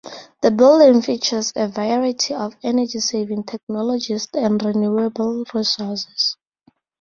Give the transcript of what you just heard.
The building features a variety of energy-saving technologies and renewable resources.